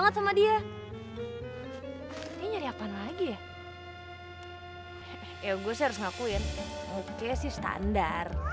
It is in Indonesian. eh mau pingin aku kemana